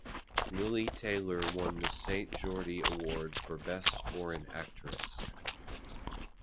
Lili Taylor won the Sant Jordi Award for Best Foreign Actress.